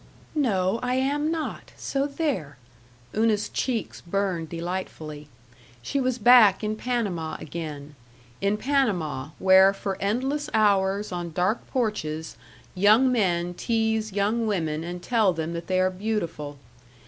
"No, I am not, so there!" Una's cheeks burned delightfully. She was back in Panama again in Panama, where for endless hours on dark porches young men tease young women and tell them that they are beautiful....